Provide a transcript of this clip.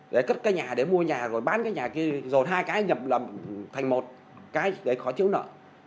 để cất cái nhà để mua nhà rồi bán cái nhà kia rồi hai cái nhập thành một cái để khỏi chiếu nợ